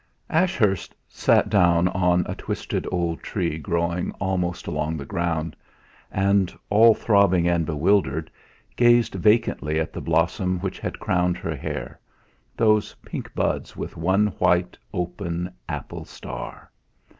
Ashurst sat down on a twisted old tree growing almost along the ground, and, all throbbing and bewildered, gazed vacantly at the blossom which had crowned her hair those pink buds with one white open apple star.